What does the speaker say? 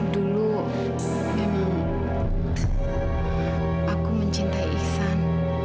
dulu memang aku mencintai isan